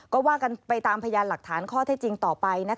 ก็ว่ากันไปตามพยานหลักฐานข้อเท็จจริงต่อไป